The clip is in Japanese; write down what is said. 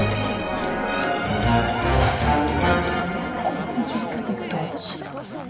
この状況でどうしろって。